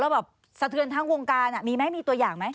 แบบสะเทือนทั้งวงการมีไหมมีตัวอย่างไหม